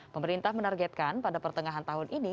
pemerintah menargetkan pada pertengahan tahun ini